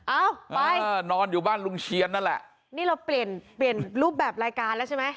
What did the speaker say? เอ้าไปเออนอนอยู่บ้านลุงเชียนนั่นแหละนี่เราเปลี่ยนเปลี่ยนรูปแบบรายการแล้วใช่ไหม